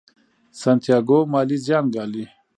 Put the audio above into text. سانتیاګو مالي زیان ګالي.